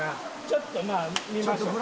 ちょっとまあ見ましょう。